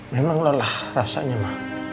memang lelah rasanya ma